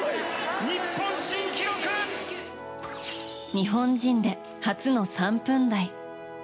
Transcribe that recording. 日本人で初の３分台。